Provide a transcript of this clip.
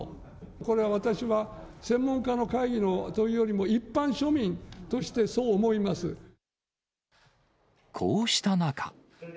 これは私は専門家の会議のというよりも一般庶民としてそう思いまこうした中。